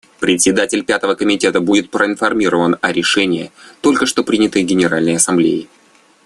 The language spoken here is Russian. Председатель Пятого комитета будет проинформирован о решении, только что принятом Генеральной Ассамблеей.